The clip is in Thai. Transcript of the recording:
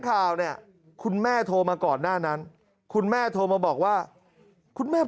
ข่าวเนี่ยคุณแม่โทรมาก่อนหน้านั้นคุณแม่โทรมาบอกว่าคุณแม่